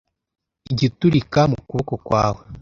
igiturika mu kuboko kwawe